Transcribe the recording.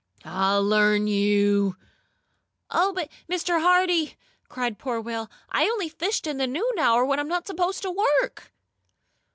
I'll learn you!" "Oh, but, Mr. Hardee!" cried poor Will. "I only fished in the noon hour when I'm not supposed to work!"